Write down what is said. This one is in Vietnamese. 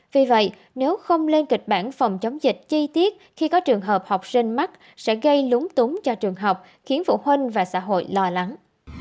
vì vậy nếu không lên kịch bản phòng chống dịch chi tiết khi có trường hợp học sinh mắc sẽ gây lúng túng cho trường học khiến phụ huynh và xã hội lo lắng